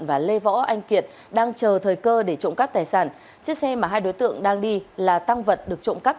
và lê võ anh kiệt đang chờ thời cơ để trộm cắp tài sản chiếc xe mà hai đối tượng đang đi là tăng vật được trộm cắp